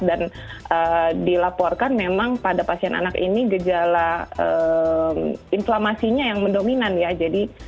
dan dilaporkan memang pada pasien anak ini gejala inflamasinya yang mendominan ya